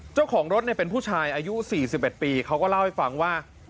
เจ้าของรถเนี้ยเป็นผู้ชายอายุสี่สิบเอ็ดปีเขาก็เล่าให้ฟังว่า